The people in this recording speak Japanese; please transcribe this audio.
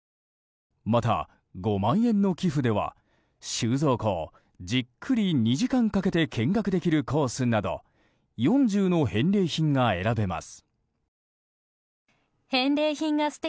また、５万円の寄付では収蔵庫をじっくり２時間かけて見学できるコースなど４０の返礼品が選べます。